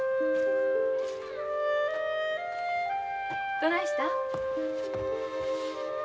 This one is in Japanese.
どないしたん？